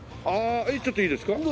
ああちょっといいですか？